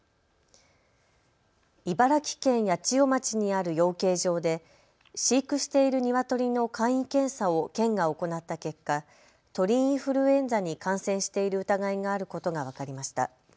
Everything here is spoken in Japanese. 茨城県八千代町にある養鶏場で飼育しているニワトリの簡易検査を県が行った結果、鳥インフルエンザに感染している疑いがあることが分かりました。